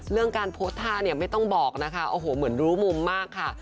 เรื่องการโพสต์ท่าเนี่ยไม่ต้องบอกนะคะโอ้โหเหมือนรู้มุมมากค่ะ